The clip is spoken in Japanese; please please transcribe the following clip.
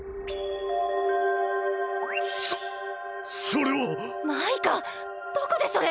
そそれは！マイカどこでそれを！？